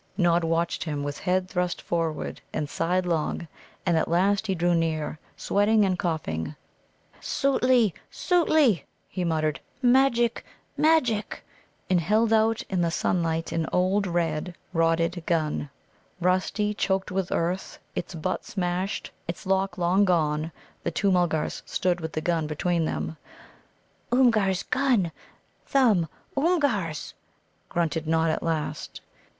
Nod watched him, with head thrust forward and side long, and at last he drew near, sweating and coughing. "Sōōtli, sōōtli!" he muttered. "Magic, magic!" and held out in the sunlight an old red, rotted gun. Rusty, choked with earth, its butt smashed, its lock long gone, the two Mulgars stood with the gun between them. "Oomgar's gun, Thumb? Oomgar's?" grunted Nod at last.